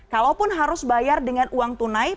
kalaupun harus bayar dengan uang tunai